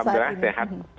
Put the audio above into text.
ya alhamdulillah sehat